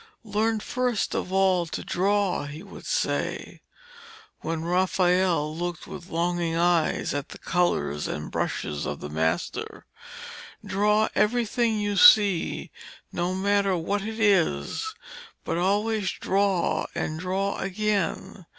'Learn first of all to draw,' he would say, when Raphael looked with longing eyes at the colours and brushes of the master. 'Draw everything you see, no matter what it is, but always draw and draw again.